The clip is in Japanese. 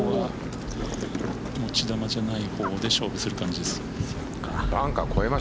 持ち球じゃないボールで勝負する感じです。